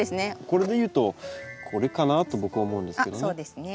これでいうとこれかなと僕は思うんですけどね。